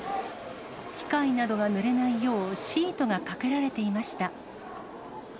機械などがぬれないよう、シートがかけられていました。